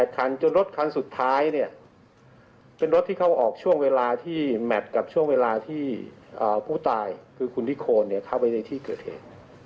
คันจนรถคันสุดท้ายเป็นรถที่เข้าออกช่วงเวลาที่แมทกับช่วงเวลาที่ผู้ตายคือคุณนิโคนเข้าไปในที่เกิดเหตุ